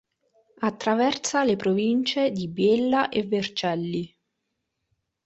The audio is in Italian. Attraversa le province di Biella e Vercelli.